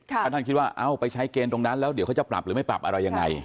ถ้าท่านคิดว่าเอ้าไปใช้เกณฑ์ตรงนั้นแล้วเดี๋ยวเขาจะปรับหรือไม่ปรับอะไรยังไง